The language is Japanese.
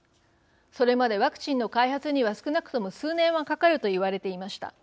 それまで、ワクチンの開発には少なくとも数年はかかると言われていました。